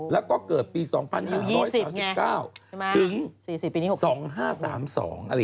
แล้วก็เกิดปี๒๕๓๙ถึง๒๕๓๒อะไรอย่างเงี้ยและก็เกิดปี๒๕๓๙